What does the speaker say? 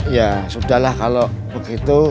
ya sudah lah kalau begitu